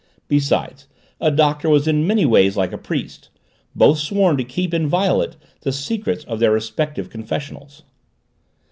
Besides, a Doctor was in many ways like a priest both sworn to keep inviolate the secrets of their respective confessionals.